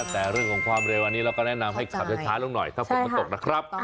แต่เรื่องของความเร็วเราก็แนะนำชับเฉล้าลงนาวถ้ากดมันตกนะครับ